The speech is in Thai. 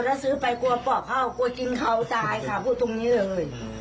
ถ้าซื้อไปกลัวปอกเข้ากลัวกินเขาตายค่ะพูดตรงนี้เลย